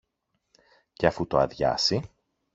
και αφού το αδειάσει